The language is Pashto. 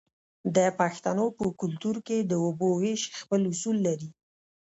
د پښتنو په کلتور کې د اوبو ویش خپل اصول لري.